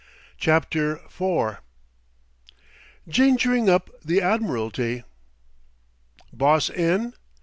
CHAPTER IV GINGERING UP THE ADMIRALTY "Boss in?"